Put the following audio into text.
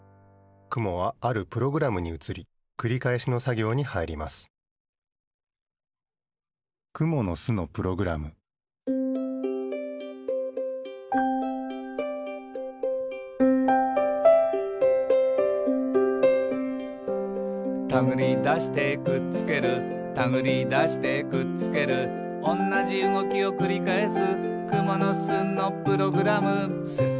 くもはあるプログラムにうつりくりかえしのさぎょうにはいります「たぐりだしてくっつけるたぐりだしてくっつける」「おんなじうごきをくりかえす」